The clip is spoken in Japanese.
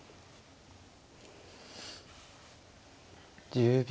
１０秒。